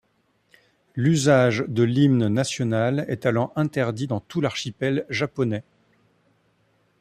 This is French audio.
L'usage de l'hymne national est alors interdit dans tout l'archipel japonais.